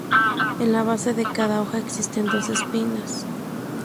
En la base de cada hoja existen dos espinas.